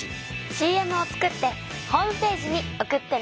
ＣＭを作ってホームページに送ってね！